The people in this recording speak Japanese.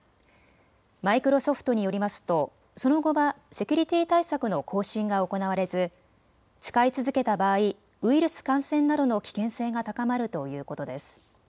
マイクロソフトによりますとその後はセキュリティー対策の更新が行われず使い続けた場合、ウイルス感染などの危険性が高まるということです。